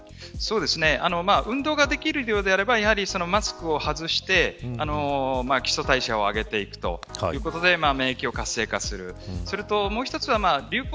運動ができるようであればマスクを外して基礎代謝を上げていくということで免疫を活性化する。